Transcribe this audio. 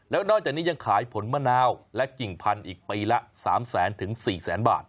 แล้วนอกจากนี้ยังขายผลมะนาวและกิ่งพันธุ์อีกปีละ๓แสนถึง๔แสนบาท